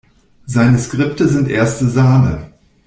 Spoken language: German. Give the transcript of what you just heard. Seine Skripte sind erste Sahne.